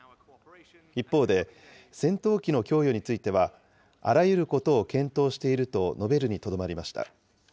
一方で、戦闘機の供与についてはあらゆることを検討していると述べるにとどまりました。